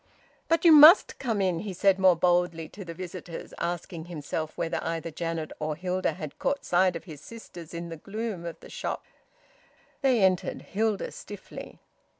"But you must come in!" he said more boldly to the visitors, asking himself whether either Janet or Hilda had caught sight of his sisters in the gloom of the shop. They entered, Hilda stiffly.